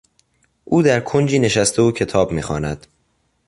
او درکنجی نشسته و کتاب میخواند.